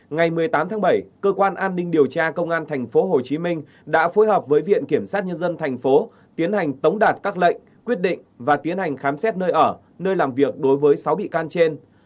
ngày một mươi tám tháng bảy cơ quan an ninh điều tra công an tp hcm đã phối hợp với viện kiểm sát nhân dân tp tiến hành tống đạt các lệnh quyết định và tiến hành khám xét nơi ở nơi làm việc đối với sáu bị can trên